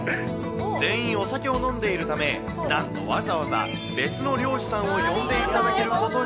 全員、お酒を飲んでいるため、なんとわざわざ別の漁師さんを呼んでいただけることに。